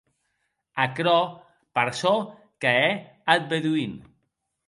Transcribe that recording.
Aquerò per çò que hè ath beduin.